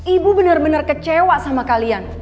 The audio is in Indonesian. ibu benar benar kecewa sama kalian